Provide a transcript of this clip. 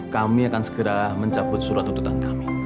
kami akan segera mencabut surat ututan kami